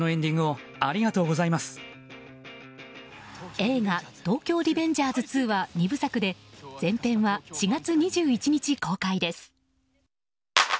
映画「東京リベンジャーズ２」は２部作で前編は４月２１日公開です。